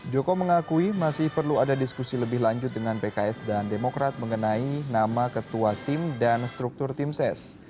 joko mengakui masih perlu ada diskusi lebih lanjut dengan pks dan demokrat mengenai nama ketua tim dan struktur tim ses